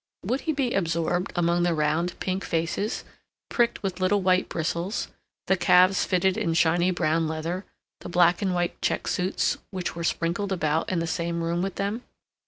Would he be absorbed among the round pink faces, pricked with little white bristles, the calves fitted in shiny brown leather, the black and white check suits, which were sprinkled about in the same room with them?